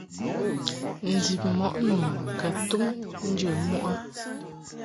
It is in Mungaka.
Ndib mɔʼ nu ka tum njə muʼ a.